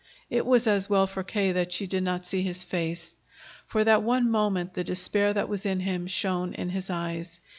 It was as well for K. that she did not see his face. For that one moment the despair that was in him shone in his eyes.